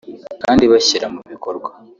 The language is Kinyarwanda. kandi bashyira mu bikorwa